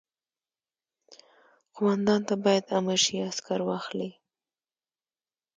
قوماندان ته باید امر شي عسکر واخلي.